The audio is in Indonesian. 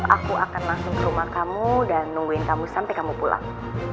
aku akan langsung ke rumah kamu dan nungguin kamu sampai kamu pulang